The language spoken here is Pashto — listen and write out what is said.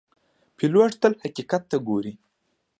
پیلوټ تل حقیقت ته ګوري.